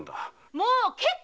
もう結構！